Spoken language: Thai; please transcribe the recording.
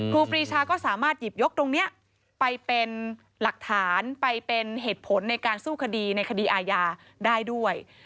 ครูปรีชาก็สามารถหยิบยกตรงนี้ไปเป็นหลักฐานไปเป็นเหตุผลในการสู้คดีในคดีอาญาได้ด้วย